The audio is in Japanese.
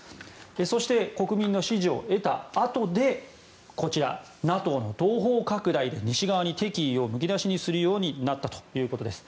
そして国民の支持を得たあとでＮＡＴＯの東方拡大で西側に敵意をむき出しにするようになったということです。